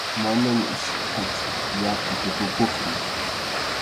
Manaña achkachu, yaqa tukukuqña.